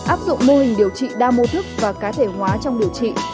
áp dụng mô hình điều trị đa mô thức và cá thể hóa trong điều trị